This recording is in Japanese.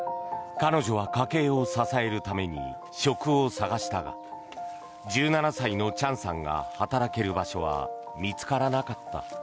彼女は家計を支えるために職を探したが１７歳のチャンさんが働ける場所は見つからなかった。